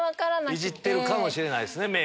いじってるかもしれないですね。